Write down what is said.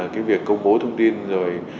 cái việc công bố thông tin rồi